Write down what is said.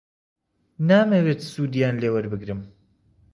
نامەوێت سوودیان لێ وەربگرم.